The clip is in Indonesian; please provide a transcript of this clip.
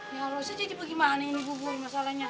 ya allah saja bagaimana ini bubur masalahnya